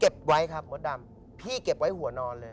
ไว้ครับมดดำพี่เก็บไว้หัวนอนเลย